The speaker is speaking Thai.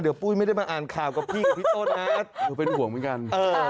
เดี๋ยวปุ้ยไม่ได้มาอ่านข่าวกับพี่ของพี่ต้นนะหนูเป็นห่วงเหมือนกัน